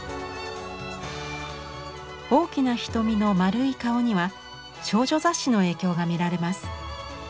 大きな瞳の丸い顔には少女雑誌の影響が見られます。